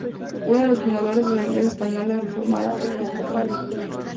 Uno de los fundadores de la Iglesia Española Reformada Episcopal.